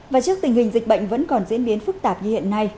và trước tình hình dịch bệnh vẫn còn diễn biến phức tạp như hiện nay